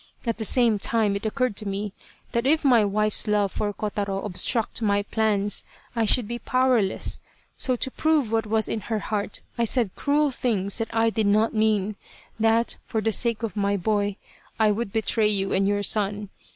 At the same time it occurred to me, that if my wife's love for Kotaro obstruct my plans I should be powerless, so to prove what was in her heart I said cruel things that I did not mean that, for the sake of my boy, I would betray you and your son.